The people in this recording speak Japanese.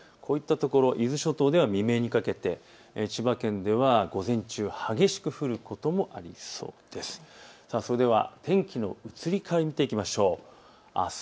伊豆諸島では未明にかけて、千葉県では午前中激しく降ることもありそうです。